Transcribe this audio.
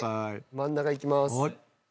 真ん中いきます。